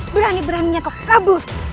berani beraninya kau kabur